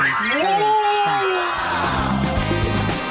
นี่ค่ะ